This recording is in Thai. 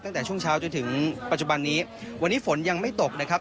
ตั้งแต่ช่วงเช้าจนถึงปัจจุบันนี้วันนี้ฝนยังไม่ตกนะครับ